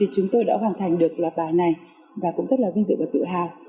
chúng tôi đã hoàn thành được loạt bài này và cũng rất là vinh dự và tự hào